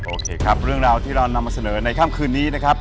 โอเคครับเรื่องราวที่เรานำมาเสนอในค่ำคืนนี้นะครับ